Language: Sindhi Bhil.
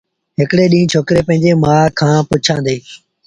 هڪڙي ڏيݩهݩ ڇوڪري پنڊريٚ مآ کآݩ پُڇيآݩدي